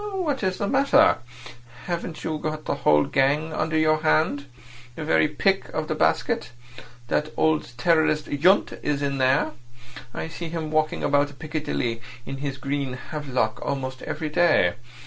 "What is the matter? Haven't you the whole gang under your hand? The very pick of the basket? That old terrorist Yundt is here. I see him walking about Piccadilly in his green havelock almost every day.